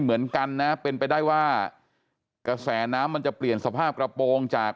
เหมือนกันนะเป็นไปได้ว่ากระแสน้ำมันจะเปลี่ยนสภาพกระโปรงจาก